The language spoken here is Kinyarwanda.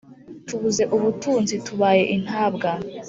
Tubuze ubutunzi tubaye intabwa